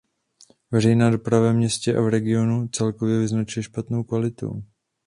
Veřejná doprava ve městě a regionu se celkově vyznačuje špatnou kvalitou.